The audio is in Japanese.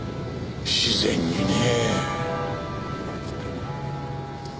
自然にねえ。